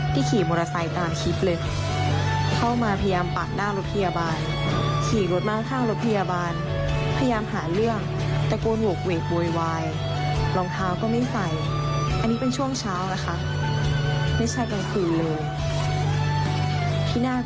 ที่น่ากลัวก็คือตามเข้ามาถึงหน้าห้องฉุกเฉิน